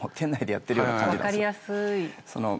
わかりやすい。